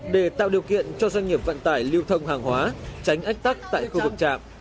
để tạo điều kiện cho doanh nghiệp vận tải lưu thông hàng hóa tránh ách tắc tại khu vực trạm